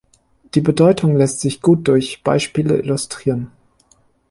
Die Bedeutung lässt sich gut durch Beispiele illustrieren.